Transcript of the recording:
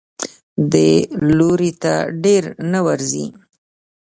دې لوري ته ډېر نه ورځي.